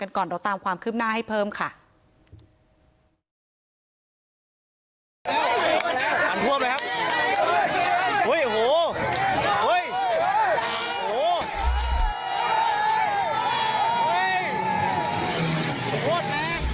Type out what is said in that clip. แล้วก็มีคนที่เขาไปยืนเชียร์กันอยู่ที่ขอบ